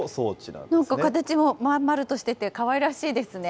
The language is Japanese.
なんか形も真ん丸としてて、かわいらしいですね。